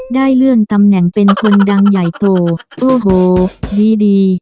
ได้เลื่อนตำแหน่งเป็นคนดังใหญ่โตโอ้โหดีดี